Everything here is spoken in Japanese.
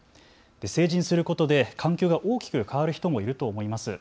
成人することで環境が大きく変わる人もいると思います。